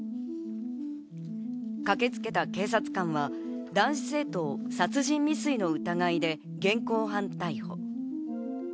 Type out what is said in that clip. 駆けつけた警察官は、男子生徒を殺人未遂の疑いで現行犯逮捕。